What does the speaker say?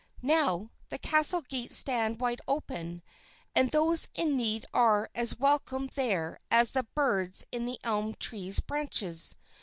Now, the castle gates stand wide open and those in need are as welcome there as the birds in the elm tree's branches.